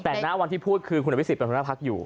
แต่ในวันที่พูดคือคุณอับพิษศิษธิ์ไปทางหน้าพรรคอยู่